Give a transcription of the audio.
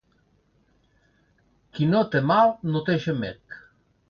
Qui no té mal, no té gemec.